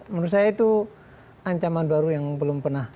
menurut saya itu ancaman baru yang belum pernah